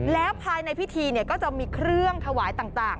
แล้วภายในพิธีก็จะมีเครื่องถวายต่าง